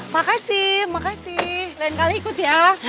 makasih makasih lain kali ikut ya